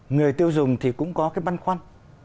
người tiêu dùng thì cũng có cái băn khoăn